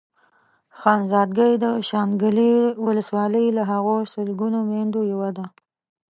خانزادګۍ د شانګلې ولسوالۍ له هغو سلګونو ميندو يوه ده.